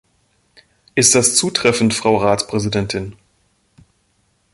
Ist das zutreffend, Frau Ratspräsidentin?